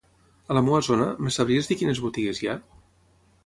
A la meva zona, em sabries dir quines botigues hi ha?